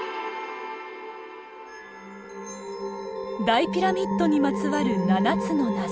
大ピラミッドにまつわる七つの謎。